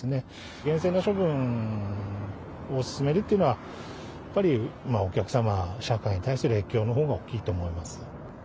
厳正な処分を進めるっていうのは、やっぱりお客様、社会に対する影響のほうが大きいと思います。